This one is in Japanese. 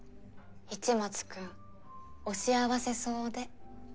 市松君お幸せそうで。